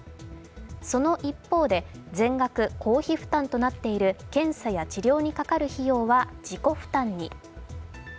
その一方で、全額公費負担となっている検査や治療にかかる費用は自己負担に。